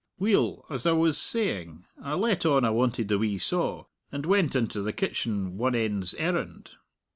Weel, as I was saying, I let on I wanted the wee saw, and went into the kitchen one end's errand.